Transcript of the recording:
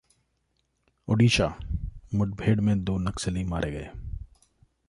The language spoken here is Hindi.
ओडिशा: मुठभेड़ में दो नक्सली मारे गए